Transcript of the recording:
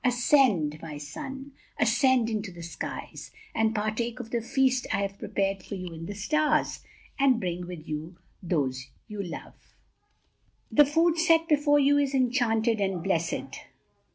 Ascend, my son; ascend into the skies, and partake of the feast I have prepared for you in the stars, and bring with you those you love. "The food set before you is enchanted and blessed.